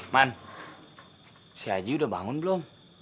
man si haji udah bangun belum